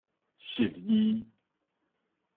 實字